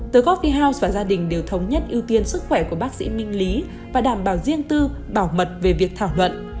the coffee house và gia đình đều thống nhất ưu tiên sức khỏe của bác sĩ minh lý và đảm bảo riêng tư bảo mật về việc thảo luận